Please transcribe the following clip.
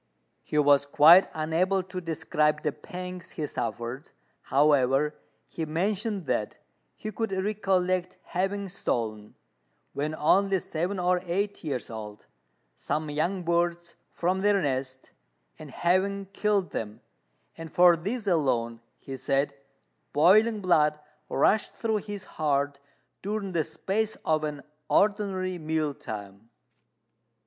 He was quite unable to describe the pangs he suffered; however, he mentioned that he could recollect having stolen, when only seven or eight years old, some young birds from their nest, and having killed them; and for this alone, he said, boiling blood rushed through his heart during the space of an ordinary mealtime.